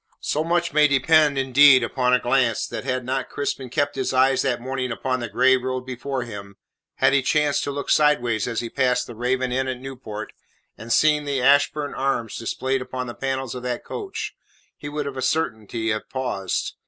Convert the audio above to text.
So much may depend indeed upon a glance, that had not Crispin kept his eyes that morning upon the grey road before him, had he chanced to look sideways as he passed the Raven Inn at Newport, and seen the Ashburn arms displayed upon the panels of that coach, he would of a certainty have paused.